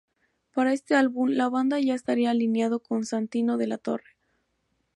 Para este álbum la banda ya estaría alineado con Santino de la Torre.